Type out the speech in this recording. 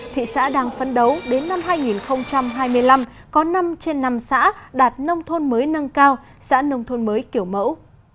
thị xã đang phấn đấu đến năm hai nghìn hai mươi năm có năm trên năm xã đạt nông thôn mới nâng cao xã nông thôn mới kiểu mẫu